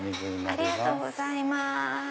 ありがとうございます。